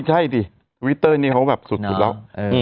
ใช่ดิวิตเตอร์นี้เขาแบบสุดแล้ว